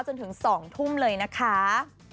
จนถึง๒ทุ่มเลยนะคะ